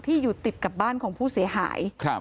อยู่ติดกับบ้านของผู้เสียหาย